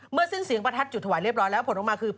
สิ้นเสียงประทัดจุดถวายเรียบร้อยแล้วผลออกมาคือ